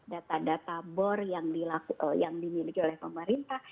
data data bor yang dimiliki oleh pemerintah